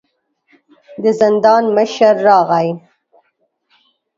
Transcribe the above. د زندان مشر راغی.